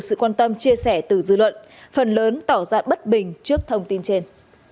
sự quan tâm chia sẻ từ dư luận phần lớn tỏ ra bất bình trước thông tin trên